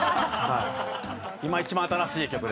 今一番新しい曲です。